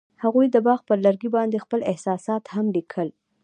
هغوی د باغ پر لرګي باندې خپل احساسات هم لیکل.